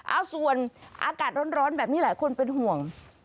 เอาส่วนอากาศร้อนแบบนี้หลายคนเป็นห่วง